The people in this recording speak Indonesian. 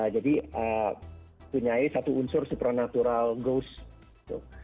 jadi punya satu unsur supernatural ghost